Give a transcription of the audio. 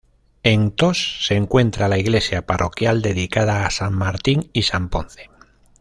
En Tost se encuentra la iglesia parroquial dedicada a san Martín y san Ponce.